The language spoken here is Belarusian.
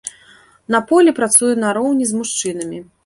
На полі працуе нароўні з мужчынамі.